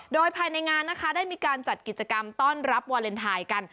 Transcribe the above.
โดยภายในงานนะคะได้มีการจัดกิจกรรมต้อนรับวาเลนไทยกัน